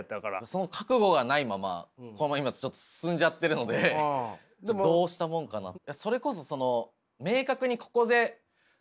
その覚悟がないままこのまま今ちょっと進んじゃってるのでどうしたもんかなって。